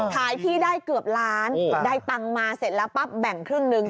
ขายที่ได้เกือบล้านได้ตังค์มาเสร็จแล้วปั๊บแบ่งครึ่งหนึ่ง